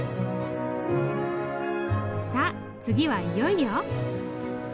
さあ次はいよいよ。